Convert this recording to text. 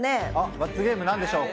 罰ゲームなんでしょうか？